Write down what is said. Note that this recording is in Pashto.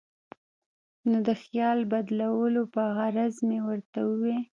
نو د خیال بدلولو پۀ غرض مې ورته اووې ـ